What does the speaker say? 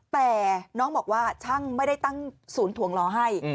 แต่น้องบอกว่าช่างไม่ได้ตั้งศูนย์ถวงล้อให้